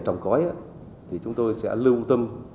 trồng cõi chúng tôi sẽ lưu tâm